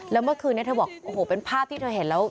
แล้วเมื่อคืนนี้เธอบอกโอ้โหเป็นภาพที่เธอเห็นแล้ว